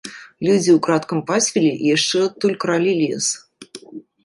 Людзі ўкрадкам пасвілі і яшчэ адтуль кралі лес.